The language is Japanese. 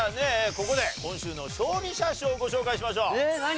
ここで今週の勝利者賞をご紹介しましょう。